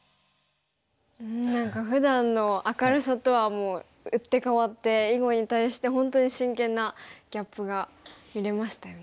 何かふだんの明るさとはもう打って変わって囲碁に対して本当に真剣なギャップが見れましたよね。